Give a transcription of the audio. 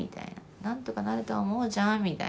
「何とかなると思うじゃん」みたいな。